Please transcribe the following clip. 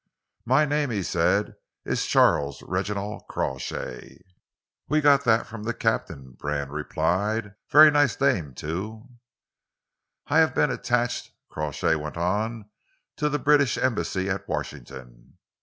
"My name," he said, "is Charles Reginald Crawshay." "We got that from the captain," Brand replied. "Very nice name, too." "I have been attached," Crawshay went on, "to the British Embassy at Washington."